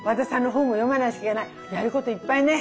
やることいっぱいね。